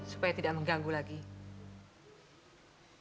supaya tidak mengganggu saya lagi bu